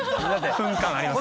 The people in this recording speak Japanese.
フン感あります？